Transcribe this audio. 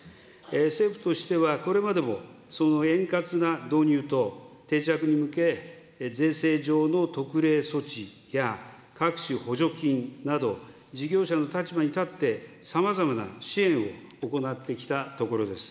政府としては、これまでも、その円滑な導入と定着に向け、税制上の特例措置や各種補助金など、事業者の立場に立ってさまざまな支援を行ってきたところです。